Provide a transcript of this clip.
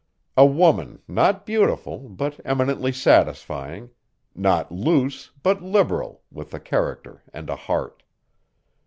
A woman not beautiful, but eminently satisfying; not loose, but liberal, with a character and a heart.